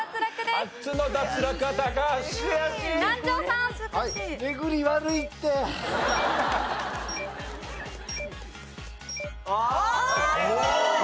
すごい！